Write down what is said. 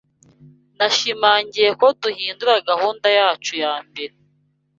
Nashimangiye ko duhindura gahunda yacu yambere.